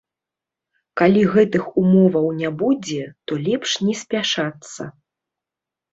Калі гэтых умоваў не будзе, то лепш не спяшацца.